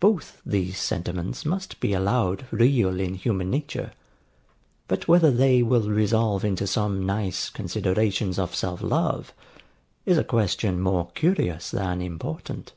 Both these sentiments must be allowed real in human nature: but whether they will resolve into some nice considerations of self love, is a question more curious than important.